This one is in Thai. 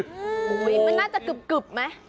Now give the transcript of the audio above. มันน่าจะกึบไหม